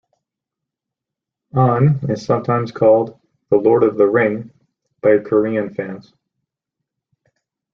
Ahn is sometimes called "the Lord of the Ring" by Korean fans.